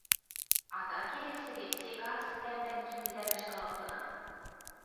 Ада келесӹ гӹнь, сек анзыц тӓмдӓн киндӹдӓм ӹштӹл лыктына.